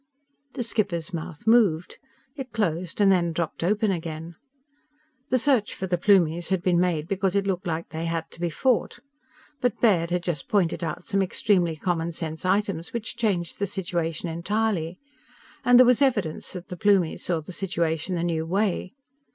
The skipper's mouth moved. It closed, and then dropped open again. The search for the Plumies had been made because it looked like they had to be fought. But Baird had just pointed out some extremely commonsense items which changed the situation entirely. And there was evidence that the Plumies saw the situation the new way.